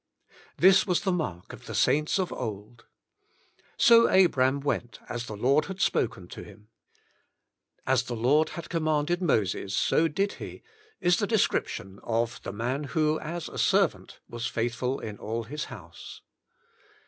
This was the mark of the saints of old. "So Abram went, as the Lord had spoken to him.'* Doing and Knowing 49 " As the Lord had commanded Moses, so did he/' is the description of the man who as a servant was faithful in all his house.